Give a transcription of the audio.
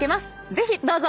是非どうぞ！